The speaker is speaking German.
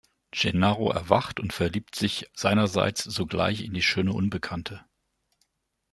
Gennaro erwacht und verliebt sich seinerseits sogleich in die schöne Unbekannte.